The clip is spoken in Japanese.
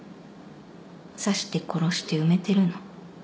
刺して殺して埋めてるの。